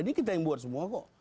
ini kita yang buat semua kok